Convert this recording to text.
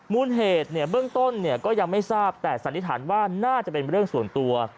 มูลเหตุเนี่ยเบื้องต้นเนี่ยก็ยังไม่ทราบแต่สันนิษฐานว่าน่าจะเป็นเรื่องส่วนตัว